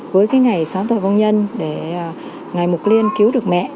với cái ngày sáu tuổi vông nhân để ngày mục liên cứu được mẹ